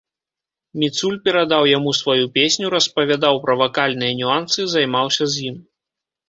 Міцуль перадаў яму сваю песню, распавядаў пра вакальныя нюансы, займаўся з ім.